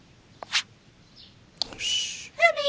よし。